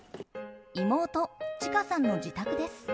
妹ちかさんの自宅です。